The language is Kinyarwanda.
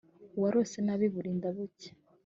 Uwarose nabi burinda bucya.